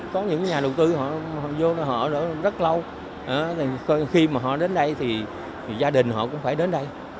có những nhà đầu tư họ vô họ rất lâu khi mà họ đến đây thì gia đình họ cũng phải đến đây